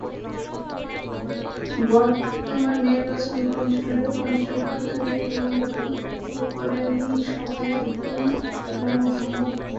বর্তমান নির্বাচন কমিশনের কোনো যোগ্যতা নেই বলে মন্তব্য করেন সভায় অধ্যাপক আনু মুহাম্মদ।